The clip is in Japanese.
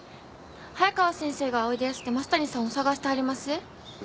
早川先生がおいでやして増谷さんを捜してはりますえ。